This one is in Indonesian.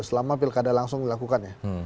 selama pilkada langsung dilakukan ya